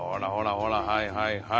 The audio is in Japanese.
ほらはいはいはい。